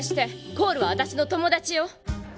コールは私の友達よ。